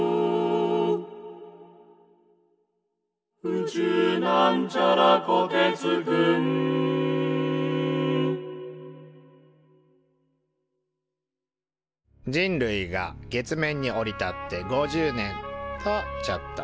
「宇宙」人類が月面に降り立って５０年！とちょっと。